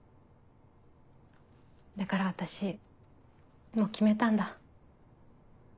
だから私もう決めたんだ。